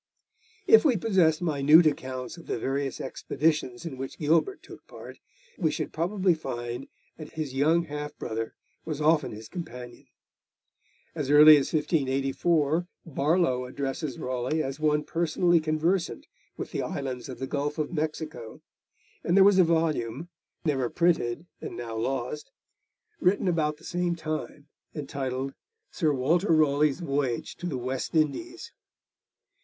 If we possessed minute accounts of the various expeditions in which Gilbert took part, we should probably find that his young half brother was often his companion. As early as 1584 Barlow addresses Raleigh as one personally conversant with the islands of the Gulf of Mexico, and there was a volume, never printed and now lost, written about the same time, entitled Sir Walter Raleigh's Voyage to the West Indies.